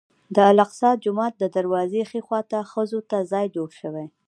د الاقصی جومات د دروازې ښي خوا ته ښځو ته ځای جوړ شوی.